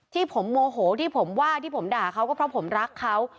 ที่ผมโมโหที่ผมว่าที่ผมด่าเขาก็เพราะผมรักเขา